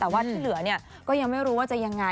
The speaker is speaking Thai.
แต่ที่เหลือัีกก็ยังไม่รู้จะยังไง